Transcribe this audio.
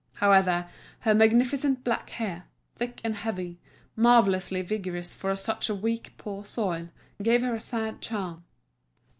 However, her magnificent black hair, thick and heavy, marvellously vigorous for such a weak, poor soil, gave her a sad charm.